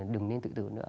đừng nên tự tử nữa